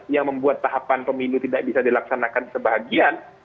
yang membuat tahapan pemilu tidak bisa dilaksanakan sebahagiaan